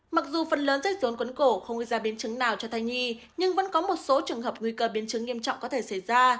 mặc dù phần lớn vết rốn quấn cổ không gây ra biến chứng nào cho thai nhi nhưng vẫn có một số trường hợp nguy cơ biến chứng nghiêm trọng có thể xảy ra